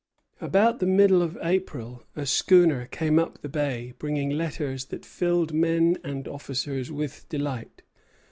About the middle of April a schooner came up the bay, bringing letters that filled men and officers with delight.